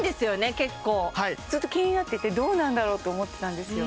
結構ずっと気になっててどうなんだろうって思ってたんですよ